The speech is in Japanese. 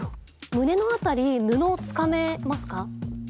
胸の辺り布を掴めますか？